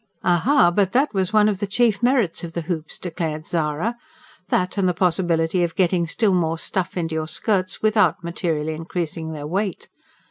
Aha! but that was one of the chief merits of "the hoops," declared Zara; that, and the possibility of getting still more stuff into your skirts without materially increasing their weight.